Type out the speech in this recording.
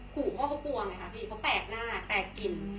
กลัวเพราะเขากลัวไงคะพี่เขาแปลกหน้าแปลกกิน